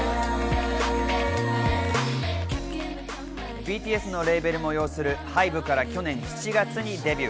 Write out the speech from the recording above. ＢＴＳのレーベルも擁するＨＹＢＥから去年７月にデビュー。